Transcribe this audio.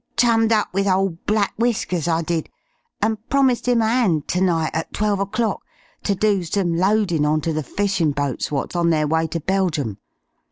"Chummed up with ole Black Whiskers I did, and promised 'im a 'and ternight at twelve o'clock ter do some loadin' on ter the fishin' boats wot's on their way ter Belgium.